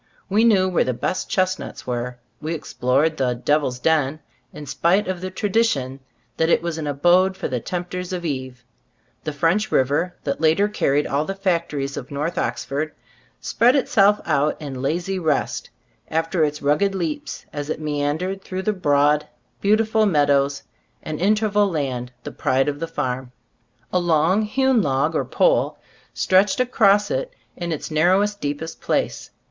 We knew where the best chestnuts were. We explored the "Devil's Den," in spite of the tradition that it was an abode for the tempters of Eve. The "French River," that later carried all the factories of North Oxford, spread itself out in lazy rest, after its rugged leaps, as it meandered through the broad, beautiful meadows and inter val land, the pride of the farm. A long hewn log or pole stretched across it in its narrowest, deep est place.